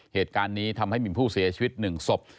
เหตุการณ์นี้ทำให้มีผู้เสียชีวิต๑ศพ